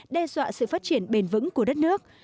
đe dọa sự phát triển bền vững của đất nước